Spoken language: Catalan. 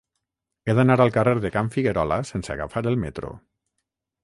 He d'anar al carrer de Can Figuerola sense agafar el metro.